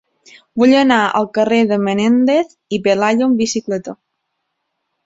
Vull anar al carrer de Menéndez y Pelayo amb bicicleta.